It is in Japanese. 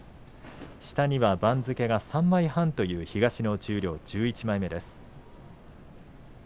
下には番付が３枚半という東の十両１１枚目です。